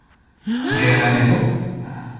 Il est à la maison ?